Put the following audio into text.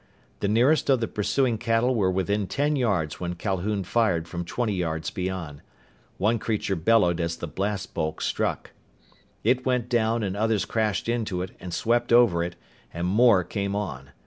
The nearest of the pursuing cattle were within ten yards when Calhoun fired from twenty yards beyond. One creature bellowed as the blast bolt struck. It went down and others crashed into it and swept over it, and more came on.